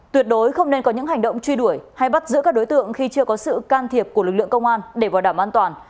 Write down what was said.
tuyệt đối không nên có những hành động truy đuổi hay bắt giữ các đối tượng khi chưa có sự can thiệp của lực lượng công an để bảo đảm an toàn